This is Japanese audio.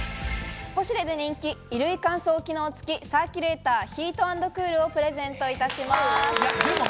ポシュレで人気「衣類乾燥機能付サーキュレーターヒート＆クール」をプレゼントいたします。